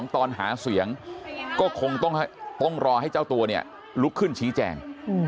ตอนหาเสียงก็คงต้องรอให้เจ้าตัวเนี่ยลุกขึ้นชี้แจง